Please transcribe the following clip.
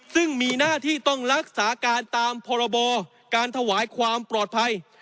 ซึ่งมีหน้าที่ต้องรักษาการตามพรบการถวายความปลอดภัย